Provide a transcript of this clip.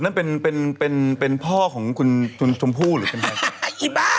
นั่นเป็นเป็นเป็นเป็นพ่อของคุณคุณชมพู่หรือเป็นใครไอ้บ้า